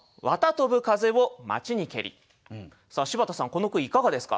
さあ柴田さんこの句いかがですか？